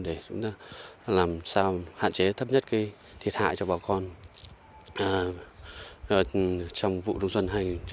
để chúng ta làm sao hạn chế thấp nhất cái thiệt hại cho bà con trong vụ đông xuân hai nghìn một mươi bảy hai nghìn một mươi tám